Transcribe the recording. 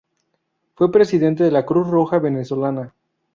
Fue presidenta de la Cruz Roja Venezolana.